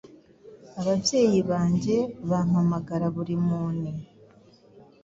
ababyeyi banjye bampamagara buri muni